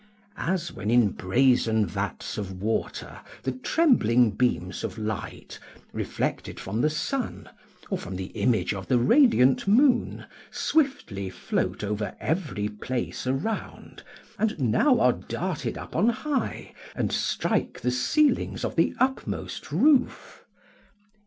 ["As when in brazen vats of water the trembling beams of light, reflected from the sun, or from the image of the radiant moon, swiftly float over every place around, and now are darted up on high, and strike the ceilings of the upmost roof."